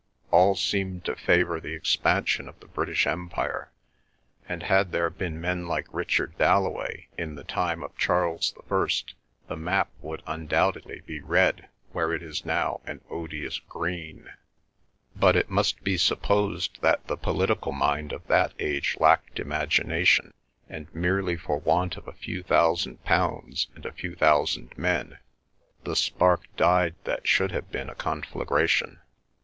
All seemed to favour the expansion of the British Empire, and had there been men like Richard Dalloway in the time of Charles the First, the map would undoubtedly be red where it is now an odious green. But it must be supposed that the political mind of that age lacked imagination, and, merely for want of a few thousand pounds and a few thousand men, the spark died that should have been a conflagration.